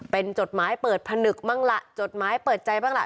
เป็นจดหมายเปิดผนึกบ้างล่ะจดหมายเปิดใจบ้างล่ะ